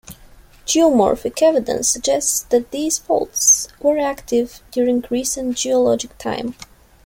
Geomorphic evidence suggests that these faults were active during recent geologic time.